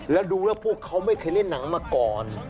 แล้วดูแล้วพวกเขาไม่เคยเล่นหนังมาก่อน